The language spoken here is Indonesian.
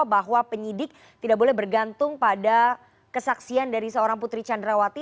bahwa penyidik tidak boleh bergantung pada kesaksian dari seorang putri candrawati